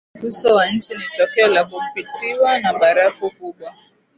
Uso wa nchi ni tokeo la kupitiwa na barafu kubwa